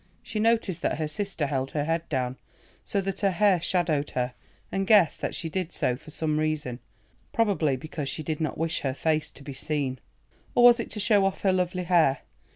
She noticed that her sister held her head down, so that her hair shadowed her, and guessed that she did so for some reason—probably because she did not wish her face to be seen. Or was it to show off her lovely hair?